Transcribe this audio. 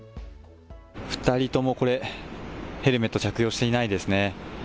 ２人ともこれ、ヘルメット着用していないですね。